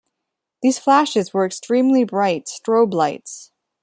These flashes were extremely bright strobe lights.